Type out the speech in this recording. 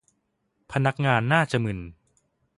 พนักงานน่าจะมึน